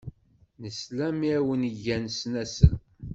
Nesla mi awen-gan snasel.